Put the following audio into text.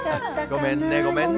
ごめんね、ごめんね。